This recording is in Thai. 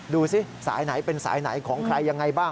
ดูสิสายไหนเป็นสายไหนของใครยังไงบ้าง